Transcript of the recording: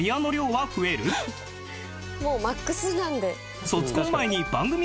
もうマックスなんで。